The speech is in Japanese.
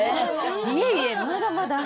いえいえまだまだ。